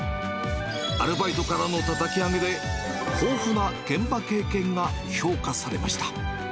アルバイトからのたたき上げで、豊富な現場経験が評価されました。